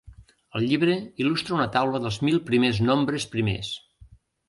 El llibre il·lustra una taula dels mil primers nombres primers.